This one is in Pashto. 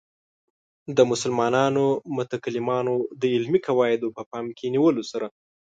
د مسلمانو متکلمانو د علمي قواعدو په پام کې نیولو سره.